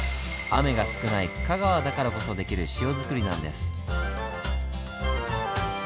雨が少ない香川だからこそできる塩作りなんです。